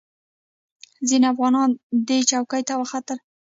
ځینې افغانان دې څوکې ته وختل.